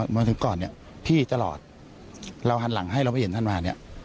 มาถึงก่อนเนี่ยพี่ตลอดเราหันหลังให้เราไปเห็นท่านมาเนี่ย